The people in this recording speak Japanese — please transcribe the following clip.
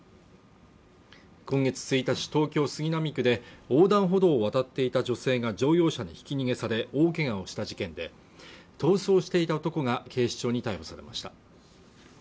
今月１日東京・杉並区で横断歩道を渡っていた女性が乗用車にひき逃げされ大けがをした事件で逃走していた男が警視庁に逮捕されました